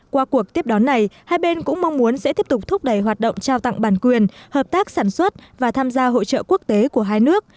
qua cuộc tiếp đón này hai bên cũng mong muốn sẽ tiếp tục thúc đẩy hoạt động trao tặng bản quyền hợp tác sản xuất và tham gia hội trợ quốc tế của hai nước